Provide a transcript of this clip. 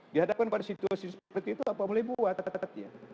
dihadapkan pada situasi seperti itu apa boleh buat dia